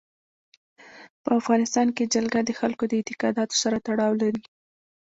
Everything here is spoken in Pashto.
په افغانستان کې جلګه د خلکو د اعتقاداتو سره تړاو لري.